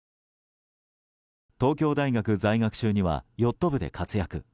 東京大学在学中にはヨット部で活躍。